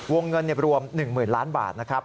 วงเงินรวม๑๐๐๐ล้านบาทนะครับ